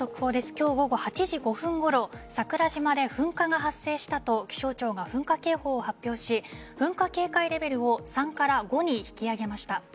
今日午後８時５分ごろ桜島で噴火が発生したと気象庁が噴火警報を発表し噴火警戒レベルを３から５に引き上げました。